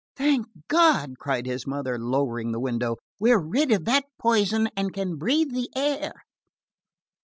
"Thank God!" cried his mother, lowering the window, "we're rid of that poison and can breath the air."